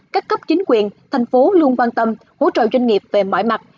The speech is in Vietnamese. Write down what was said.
các cấp chính quyền thành phố luôn quan tâm hỗ trợ doanh nghiệp về mọi mặt